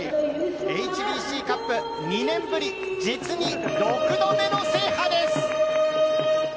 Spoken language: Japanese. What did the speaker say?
ＨＢＣカップ、２年ぶり実に６度目の制覇です！